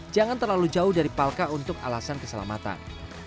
jangan terlalu jauh dari palka untuk alasan keselamatan